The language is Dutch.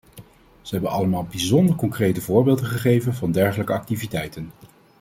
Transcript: Ze hebben allemaal bijzonder concrete voorbeelden gegeven van dergelijke activiteiten.